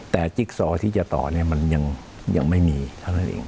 แต่จิ๊กซอที่จะต่อเนี่ยมันยังไม่มีเท่านั้นเอง